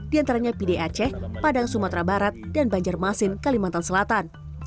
di antaranya pd aceh padang sumatera barat dan banjarmasin kalimantan selatan